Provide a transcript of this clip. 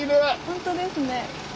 本当ですね。